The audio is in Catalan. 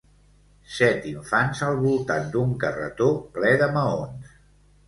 set infants al voltant d'un carretó ple de maons